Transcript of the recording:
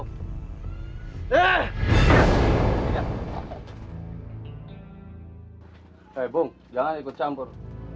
eh bung jangan ikut campur